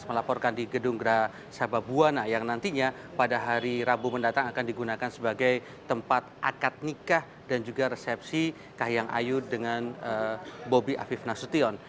melaporkan di gedung geraha sababwana yang nantinya pada hari rabu mendatang akan digunakan sebagai tempat akad nikah dan juga resepsi kahiyang ayu dengan bobi afif nasution